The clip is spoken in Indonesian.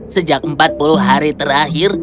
sejak empat puluh hari terakhir